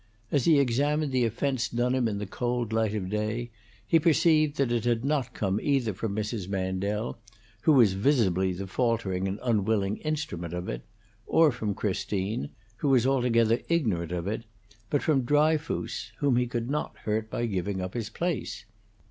As he examined the offence done him in the cold light of day, he perceived that it had not come either from Mrs. Mandel, who was visibly the faltering and unwilling instrument of it, or from Christine, who was altogether ignorant of it, but from Dryfoos, whom he could not hurt by giving up his place.